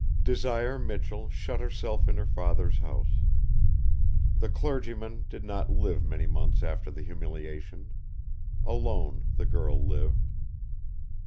Desire Michell shut herself in her father's house. The clergyman did not live many months after the humiliation. Alone, the girl lived.